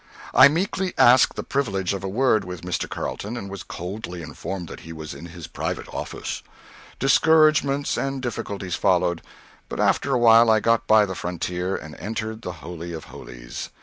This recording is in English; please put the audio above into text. I meekly asked the privilege of a word with Mr. Carleton, and was coldly informed that he was in his private office. Discouragements and difficulties followed, but after a while I got by the frontier and entered the holy of holies.